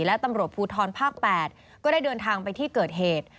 และตำรวจภูทรภาค๘ก็ได้เดินทางไปที่เกิดเหตุ